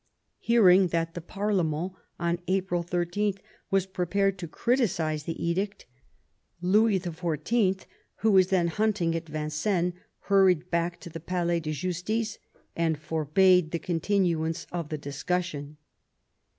Hearing that the parlemerU on April 13 was prepared to criticise the edict, Louis XIV., who was then hunting at Vincennes, hurried back to the Palais de Justica and forbade the continuance of the discussion.